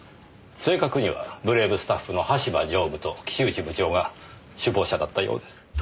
正確にはブレイブスタッフの橋場常務と岸内部長が首謀者だったようです。